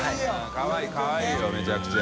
かわいいかわいいめちゃくちゃ。